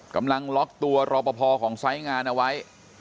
กำลังล็อกตัวรอปภของไซส์งานเอาไว้